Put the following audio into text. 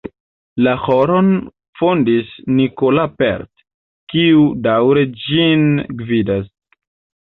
La ĥoron fondis "Nicolas Porte", kiu daŭre ĝin gvidas.